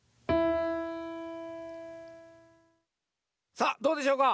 さあどうでしょうか？